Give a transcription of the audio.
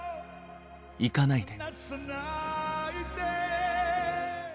「行かないで」。